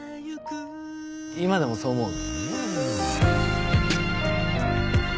今でもそう思う？